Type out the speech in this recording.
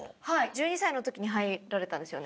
１２歳の時に入られたんですよね？